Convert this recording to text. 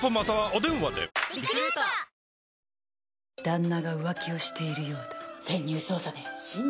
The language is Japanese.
旦那が浮気をしているようだ。